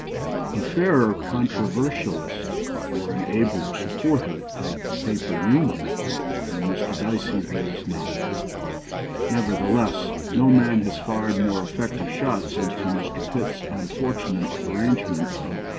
A fairer controversalist, or an abler supporter of the "paper Union," than Mr. Dicey there is not; nevertheless no man has fired more effective shots into Mr. Pitt's unfortunate arrangement of 1800.